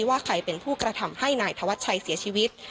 ว่าใครเป็นผู้กระทำให้นายธวัชชัยเสียชีวิต